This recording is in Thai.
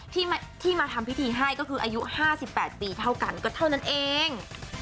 ที่มาทำพิธีให้ก็คืออายุ๕๘ปีเท่ากันก็เท่านั้นเอง